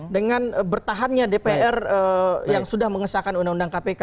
dengan bertahannya dpr yang sudah mengesahkan undang undang kpk